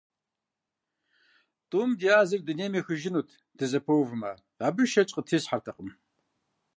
ТӀум дязыр дунейм ехыжынут дызэпэувмэ – абы шэч къытесхьэртэкъым.